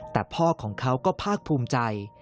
แต่พ่อของเขาก็ภาคภูมิใจ